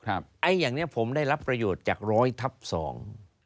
ไอ้อย่างเนี้ยผมได้รับประโยชน์จากร้อยทับสอง